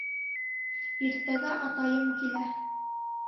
Иртәгә атайым килә!